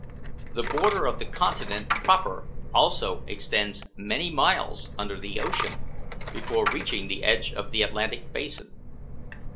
The border of the continent proper also extends many miles under the ocean before reaching the edge of the Atlantic basin.